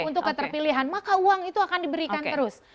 untuk keterpilihan maka uang itu akan diberikan terus